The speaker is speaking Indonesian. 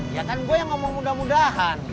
ya kan gue yang ngomong mudah mudahan